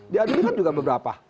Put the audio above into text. diadili kan juga beberapa